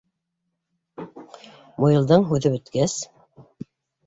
Муйылдың һүҙе бөткәс: